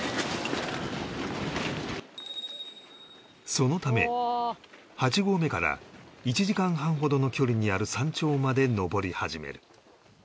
そのため８合目から１時間半ほどの距離にある山頂まで登り始める